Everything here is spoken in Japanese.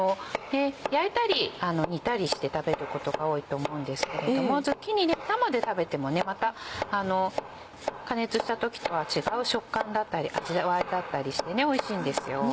焼いたり煮たりして食べることが多いと思うんですけれどもズッキーニ生で食べてもまた加熱した時とは違う食感だったり味わいだったりしておいしいんですよ。